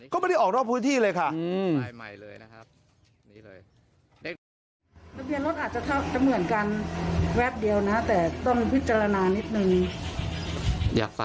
ก็ไม่ได้ออกนอกพื้นที่เลยค่ะ